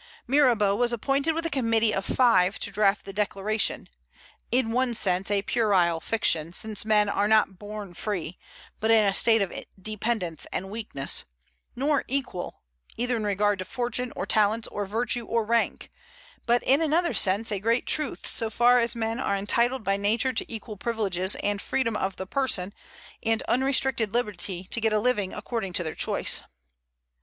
Mirabeau was appointed with a committee of five to draft the declaration, in one sense, a puerile fiction, since men are not "born free," but in a state of dependence and weakness; nor "equal," either in regard to fortune, or talents, or virtue, or rank: but in another sense a great truth, so far as men are entitled by nature to equal privileges, and freedom of the person, and unrestricted liberty to get a living according to their choice.